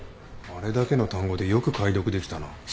あれだけの単語でよく解読できたな。